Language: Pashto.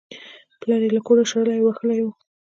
پلار یې له کوره شړلی و او وهلی یې و